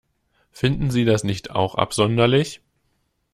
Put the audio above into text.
Finden Sie das nicht auch absonderlich?